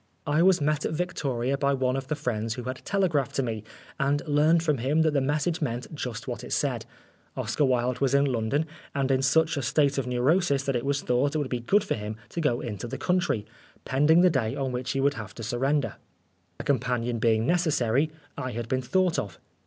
I was met at Victoria, by one of the friends who had telegraphed to me, and learned from him that the message meant just what it said. Oscar Wilde was in London, and in such a state of neurosis that it was thought it would be good for him to go into the country, pending the day on which he would have 152 Oscar Wilde to surrender. A companion being necessary, I had been thought of.